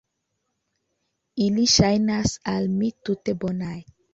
Ili ŝajnas al mi tute bonaj.